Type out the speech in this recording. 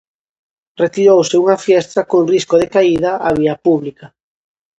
Retirouse unha fiestra con risco de caída á vía pública.